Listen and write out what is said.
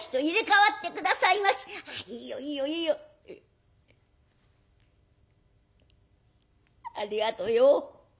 「いいよいいよいいよ。ありがとよ。